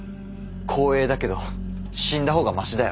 光栄だけど死んだほうがマシだよ。